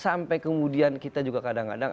sampai kemudian kita juga kadang kadang